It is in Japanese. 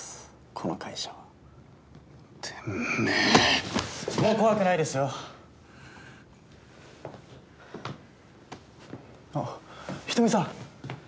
この会社はてめえもう怖くないですよあっ人見さん！